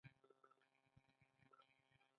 سوداګري به وده وکړي.